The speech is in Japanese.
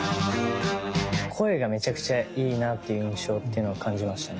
声がめちゃくちゃいいなという印象というのを感じましたね。